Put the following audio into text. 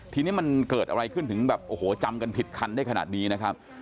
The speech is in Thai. ทีนี้มันเกิดอะไรขึ้นถึงแบบโอ้โหจำกันผิดคันได้ขนาดนี้นะครับ